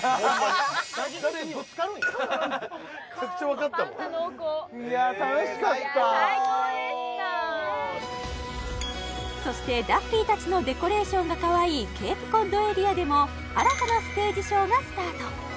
ホンマにいや楽しかったそしてダッフィーたちのデコレーションがかわいいケープコッドエリアでも新たなステージショーがスタート